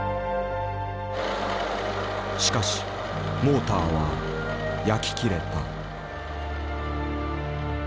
しかしモーターは焼き切れた。